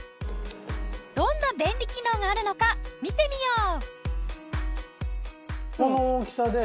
どんな便利機能があるのか見てみよう！